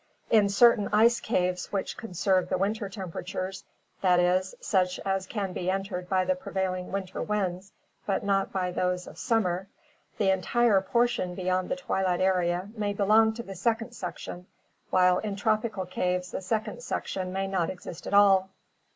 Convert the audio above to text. In certain ice caves which conserve the winter temperatures, that is, such as can be entered by the prevailing winter winds but not by those of summer, the entire portion beyond the twilight area may belong to the second section, while in tropical caves the second section may not exist at all.